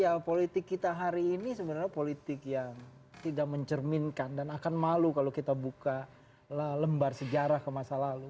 ya politik kita hari ini sebenarnya politik yang tidak mencerminkan dan akan malu kalau kita buka lembar sejarah ke masa lalu